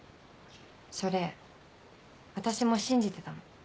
それ私も信じてたの。